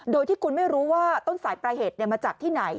โดยที่คุณไม่รู้ว่าต้นสายปลายเหตุมาจากที่ไหน